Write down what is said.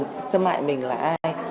xâm hại mình là ai